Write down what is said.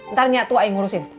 ntar nyatua yang ngurusin